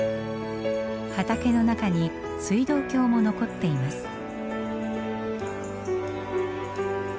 畑の中に水道橋も残っています。